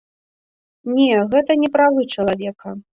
Не, гэта не правы чалавека.